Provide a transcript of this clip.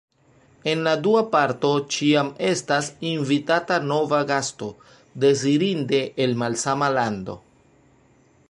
En la dua parto ĉiam estas invitata nova gasto, dezirinde el malsama lando.